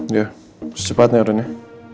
ya secepatnya udah nih